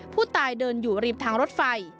ผู้ตายเดินอยู่ริมทางรถไฟ